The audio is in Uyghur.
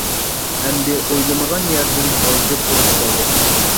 ئەمدى ئويلىمىغان يەردىن غالجىر بولۇپ قالدى.